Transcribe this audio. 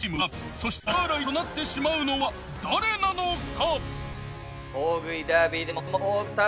そして皿洗いとなってしまうのは誰なのか？